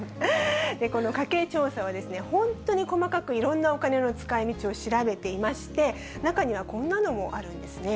この家計調査はですね、本当に細かくいろんなお金の使いみちを調べていまして、中には、こんなのもあるんですね。